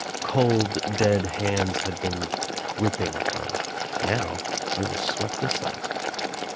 Cold dead handl had been gripping her. Now they were swept aside.